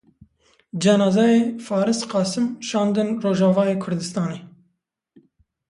Cenazeyê Faris Qasim şandin Rojavayê Kurdistanê.